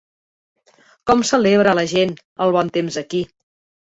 Com celebra la gent el bon temps aquí?